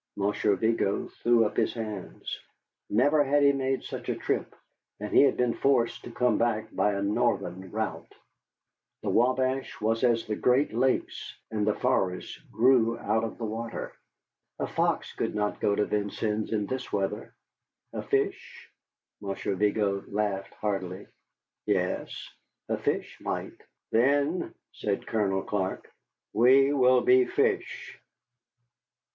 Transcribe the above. Monsieur Vigo threw up his hands. Never had he made such a trip, and he had been forced to come back by a northern route. The Wabash was as the Great Lakes, and the forests grew out of the water. A fox could not go to Vincennes in this weather. A fish? Monsieur Vigo laughed heartily. Yes, a fish might. "Then," said Colonel Clark, "we will be fish."